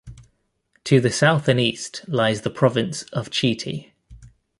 To the south and east lies the Province of Chieti.